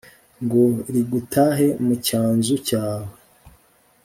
ngo rigutahe mu cyanzu cyawe